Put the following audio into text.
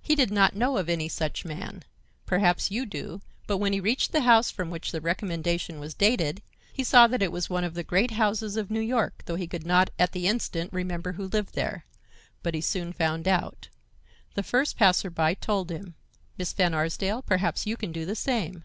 He did not know of any such man—perhaps you do—but when he reached the house from which the recommendation was dated, he saw that it was one of the great houses of New York, though he could not at the instant remember who lived there. But he soon found out. The first passer by told him. Miss Van Arsdale, perhaps you can do the same.